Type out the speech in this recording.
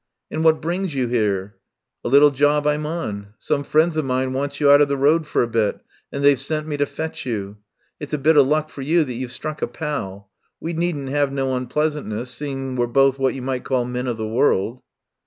"And what brings you here?" "A little job I'm on. Some friends of mine wants you out of the road for a bit, and they've sent me to fetch you. It's a bit of luck for you that you've struck a pal. We needn't 'ave no unpleasantness, seein' we're both what you might call men of the world."